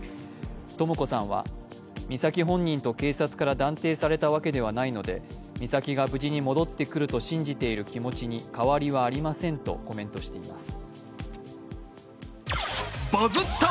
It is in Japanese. とも子さんは、美咲さん本人と警察から断定されたわけではないので、美里が無事に戻ってくると信じている気持ちに変わりはありませんとコメントしています。